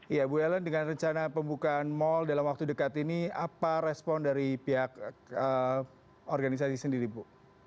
iya bu ellen dengan rencana pembukaan mal dalam waktu dekat ini apa respon dari pihak organisasi sendiri bu